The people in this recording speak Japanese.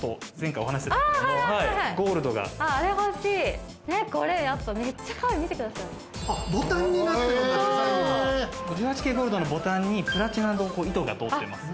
１８金ゴールドのボタンにプラチナの糸が通ってます。